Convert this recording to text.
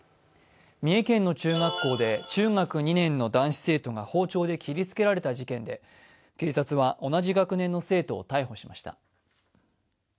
三重県の中学校で中学２年の男子生徒が包丁で切りつけられた事件で警察は同じ学年の生徒を逮捕しました。